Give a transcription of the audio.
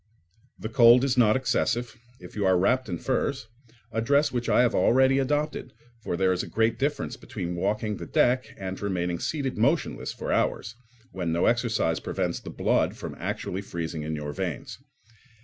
The cold is not excessive, if you are wrapped in furs—a dress which I have already adopted, for there is a great difference between walking the deck and remaining seated motionless for hours, when no exercise prevents the blood from actually freezing in your veins.